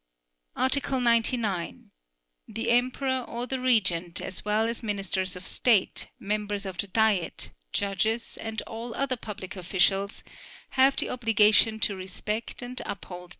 Article 99. The Emperor or the Regent as well as Ministers of State, members of the Diet, judges, and all other public officials have the obligation to respect and uphold this Constitution.